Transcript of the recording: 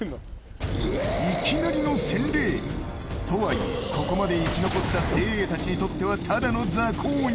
いきなりの洗礼とはいえ、ここまで生き残った精鋭たちにとっては、ただのザコ鬼。